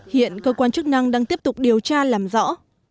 hiện cơ quan chức năng đang tiếp tục điều tra làm rõ